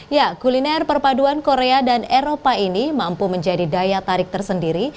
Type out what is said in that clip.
ya kuliner perpaduan korea dan eropa ini mampu menjadi daya tarik tersendiri